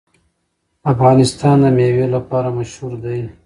افغانستان د مېوې لپاره مشهور دی.